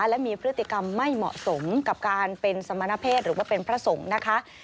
และมีพฤติกรรมไม่เหมาะสมกับการเป็นสมณเพศหรือว่าเป็นพระสงฆ์นะคะ